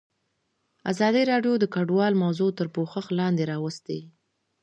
ازادي راډیو د کډوال موضوع تر پوښښ لاندې راوستې.